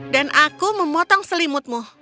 dan aku memotong selimutmu